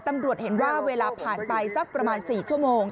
ตำรวจเห็นว่าเวลาผ่านไปสักประมาณ๔ชั่วโมง